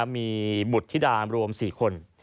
มีบุตรที่ดามรวม๔คน